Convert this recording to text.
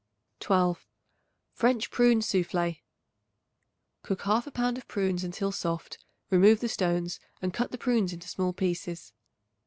12. French Prune Soufflé. Cook 1/2 pound of prunes until soft; remove the stones and cut the prunes into small pieces.